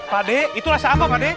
pade itu rasa ambang pade